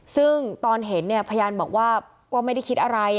ซึ่งตอนเห็นเนี่ยพยานบอกว่าก็ไม่ได้คิดอะไร